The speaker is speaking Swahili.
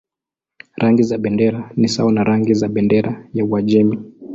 Rangi za bendera ni sawa na rangi za bendera ya Uajemi.